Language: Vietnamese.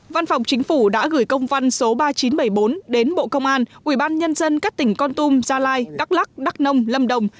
văn phòng chính phủ đã gửi công văn số ba nghìn chín trăm bảy mươi bốn đến bộ công an ubnd các tỉnh con tum gia lai đắk lắc đắk nông lâm đồng